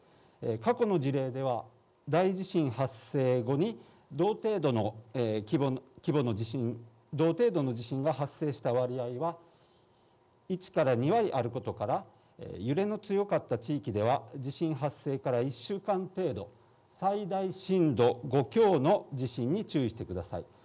過去の事例では大地震発生後に同程度の地震が発生した場合は１から２割あることから揺れの強かった地域では地震発生から１週間程度最大震度５強の地震に注意してください。